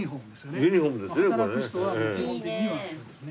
ユニホームですねこれね。